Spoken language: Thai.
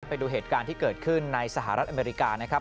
ไปดูเหตุการณ์ที่เกิดขึ้นในสหรัฐอเมริกานะครับ